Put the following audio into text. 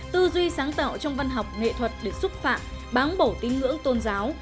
tư duy sáng tạo trong văn học nghệ thuật để xúc phạm bán bổ tín ngưỡng tôn giáo